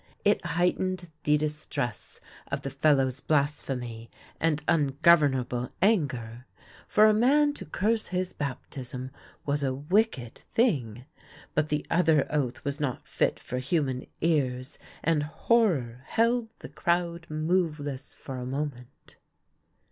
It heightened the distress of the fellow's blasphemy and imgovernable anger. For a man to curse his baptism was a wicked thing ; but the other oath was not fit for human ears, and horror held the crowd moveless for a moment.